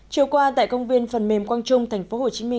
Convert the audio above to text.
chiều qua tại công viên phần mềm quang trung tp hcm